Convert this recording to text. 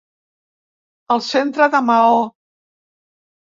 Al centre de Maó.